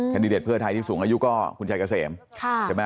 แคนนิเดร์ทเพื่อไทยที่สูงอายุก็คุณชายเกษม